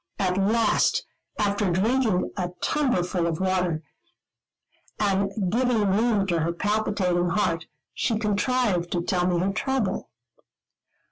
At last, after drinking a tumblerful of water, and giving room to her palpitating heart, she contrived to tell me her trouble.